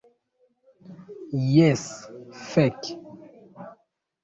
Jes, fek.